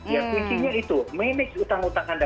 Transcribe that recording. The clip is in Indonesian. ya kuncinya itu manage utang utang anda